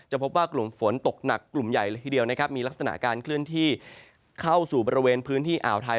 พบว่ากลุ่มฝนตกหนักกลุ่มใหญ่เลยทีเดียวนะครับมีลักษณะการเคลื่อนที่เข้าสู่บริเวณพื้นที่อ่าวไทย